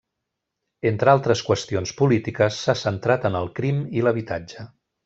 Entre altres qüestions polítiques, s'ha centrat en el crim i l'habitatge.